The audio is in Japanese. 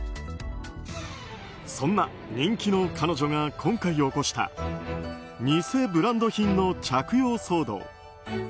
そんな人気の彼女が今回起こした偽ブランド品の着用騒動。